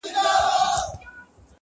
نقادان يې بېلابېل تحليلونه کوي تل،